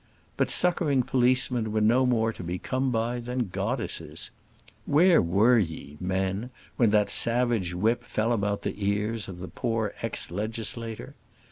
But succouring policemen were no more to be come by than goddesses. Where were ye, men, when that savage whip fell about the ears of the poor ex legislator?